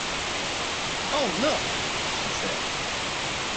"Oh, look," she said.